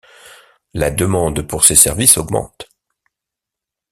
La demande pour ses services augmente.